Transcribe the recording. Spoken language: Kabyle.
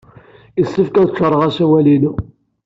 Yessefk ad d-ččaṛeɣ asawal-inu.